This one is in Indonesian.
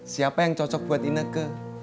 siapa yang cocok buat inek ke